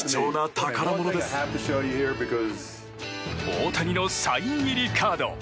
大谷のサイン入りカード。